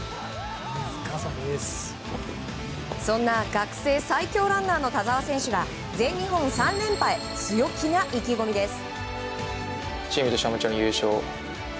そんな学生最強ランナーの田澤選手が全日本３連覇へ強気な意気込みです。